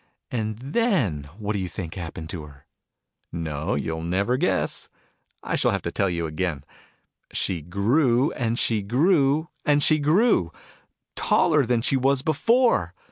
And then what do you think happened to her ? No, you'll never guess ! I shall have to tell you again. She grew, and she grew, and she grew. Taller than she was before